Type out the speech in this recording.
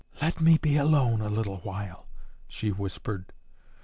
"Let me be alone a little while," she whispered.